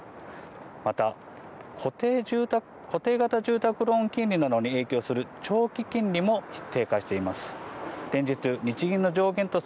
また、固定型住宅ローン金利などに影響する長期金利も低下しています。